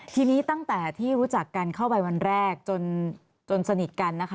ทีนี้ตั้งแต่ที่รู้จักกันเข้าไปวันแรกจนสนิทกันนะคะ